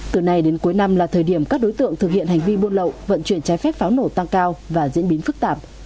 từ nay đến cuối năm là thời điểm các đối tượng thực hiện hành vi buôn lậu vận chuyển trái phép pháo nổ tăng cao và diễn biến phức tạp